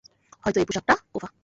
হয়তো এই পোশাকটা কুফা।